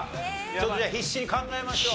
ちょっとじゃあ必死に考えましょう。